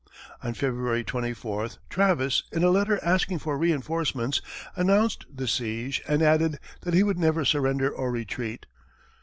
On February 24th, Travis, in a letter asking for reinforcements, announced the siege and added that he would never surrender or retreat.